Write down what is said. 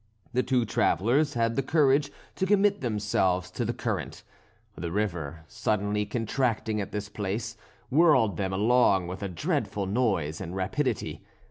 The two travellers had the courage to commit themselves to the current. The river, suddenly contracting at this place, whirled them along with a dreadful noise and rapidity.